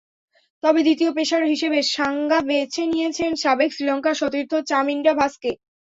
তবে দ্বিতীয় পেসার হিসেবে সাঙ্গা বেছে নিয়েছেন সাবেক শ্রীলঙ্কা সতীর্থ চামিন্ডা ভাসকে।